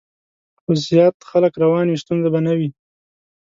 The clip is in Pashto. خو زیات خلک روان وي، ستونزه به نه وي.